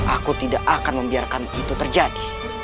aku tidak akan membiarkan itu terjadi